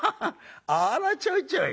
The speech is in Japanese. あらちょいちょい』」。